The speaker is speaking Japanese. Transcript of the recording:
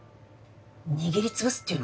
握り潰すっていうの？